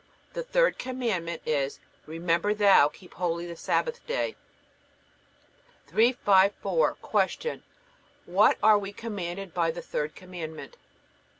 The third Commandment is: Remember thou keep holy the Sabbath day. 354. Q. What are we commanded by the third Commandment?